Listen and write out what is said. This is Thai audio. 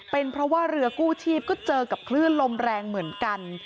เป็นเพราะว่าเรือกู้ชีพก็เจอกับคลื่นลมแรงเหมือนกัน